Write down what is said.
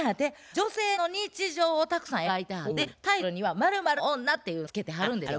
女性の日常をたくさん描いてはってタイトルには「○○の女」っていうのを付けてはるんですよ。